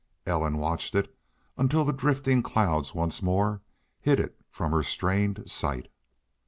Ellen watched it until the drifting clouds once more hid it from her strained sight.